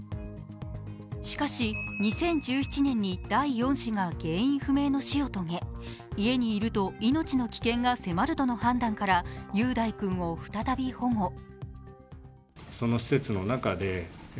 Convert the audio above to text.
しかし、２０１７年に第４子が原因不明の死を遂げ家にいると命の危険が迫るとの判断から、雄大君を再び保護。